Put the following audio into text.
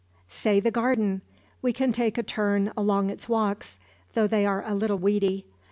"Say the garden. We can take a turn along its walks, though they are a little weedy.